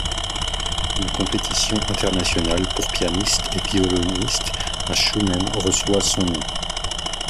Une compétition internationale pour pianistes et violonistes à Choumen reçoit son nom.